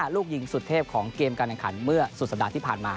ลูกยิงสุดเทพของเกมการแข่งขันเมื่อสุดสัปดาห์ที่ผ่านมา